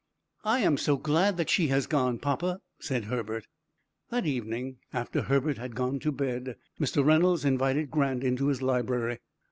"I am so glad that she has gone, papa," said Herbert. That evening, after Herbert had gone to bed, Mr. Reynolds invited Grant into his library.